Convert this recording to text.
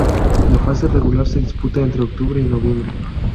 La fase regular se disputa entre octubre y noviembre.